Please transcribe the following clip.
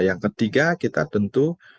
yang ketiga kita tentu